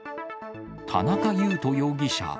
田中優斗容疑者